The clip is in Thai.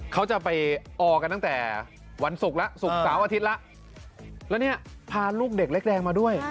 เขาจะไปออกันตั้งแต่วันศุกร์แล้วศุกร์เสาร์อาทิตย์แล้วแล้วเนี่ยพาลูกเด็กเล็กแดงมาด้วย